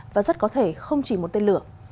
và rất có thể không chỉ một tên lửa